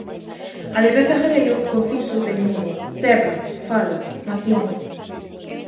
A de Pepe Agrelo, conciso, teimudo: "Terra, fala, nación".